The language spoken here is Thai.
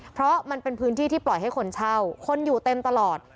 เพราะมันเป็นพื้นที่ที่ปล่อยให้คนเช่าคนอยู่เต็มตลอด